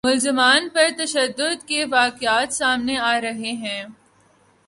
ملزمان پر تشدد کے واقعات سامنے آ رہے ہیں